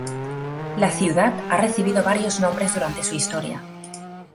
La ciudad ha recibido varios nombres durante su historia.